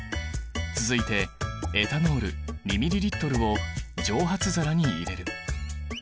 続いてエタノール２ミリリットルを蒸発皿に入れる。